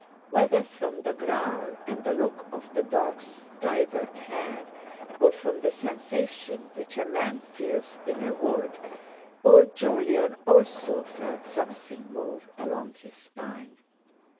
Whether from the growl and the look of the dog's stivered hair, or from the sensation which a man feels in a wood, old Jolyon also felt something move along his spine.